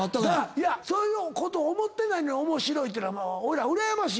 そういうこと思ってないのに面白いってのはおいらうらやましいねん。